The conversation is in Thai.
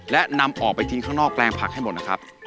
และนำออกไปทิ้งข้างนอกแปลงผักให้หมดนะครับ